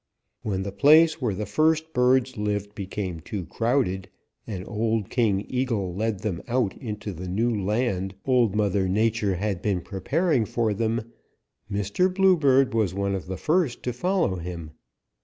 "When the place where the first birds lived became too crowded and old King Eagle led them out into the new land Old Mother Nature had been preparing for them, Mr. Bluebird was one of the first to follow him.